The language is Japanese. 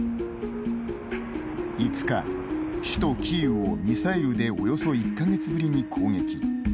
５日、首都キーウをミサイルでおよそ１か月ぶりに攻撃。